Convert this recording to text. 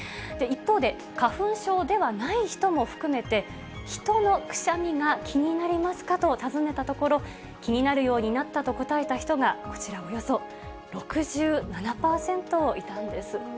一方で、花粉症ではない人も含めて、人のくしゃみが気になりますかと尋ねたところ、気になるようになったと答えた人が、こちら、およそ６７％いたんです。